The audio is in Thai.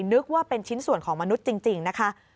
นึกว่าเป็นชิ้นส่วนของมนุษย์จริงนะคะ